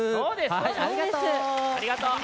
はいありがとう。